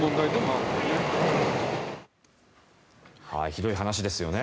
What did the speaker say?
ひどい話ですよね。